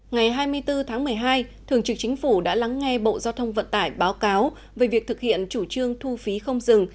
ngày hai mươi bốn tháng một mươi hai thường trực chính phủ đã lắng nghe bộ giao thông vận tải báo cáo về việc thực hiện chủ trương thu phí không dừng